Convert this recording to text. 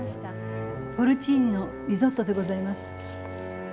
ポルチーニのリゾットでございます。